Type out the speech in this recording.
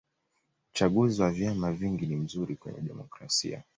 uchaguzi wa vyama vingi ni mzuri kwenye demokrasia